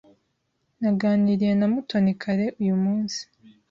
Naganiriye na Mutoni kare uyu munsi.